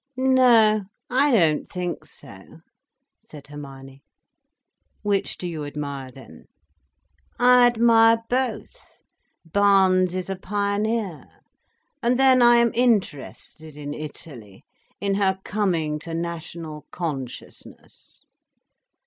"No, I don't think so," said Hermione. "Which do you admire, then?" "I admire both. Barnes is a pioneer. And then I am interested in Italy, in her coming to national consciousness."